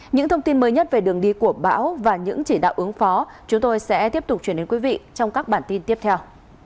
những thông tin mới nhất về đường đi của bão và những chỉ đạo ứng phó chúng tôi sẽ tiếp tục truyền đến quý vị trong các bản tin tiếp theo